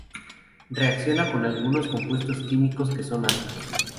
Reacciona con algunos compuestos químicos que son ácidos.